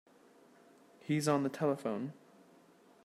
He's on the telephone.